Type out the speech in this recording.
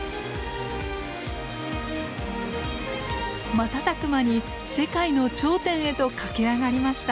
瞬く間に世界の頂点へと駆け上がりました。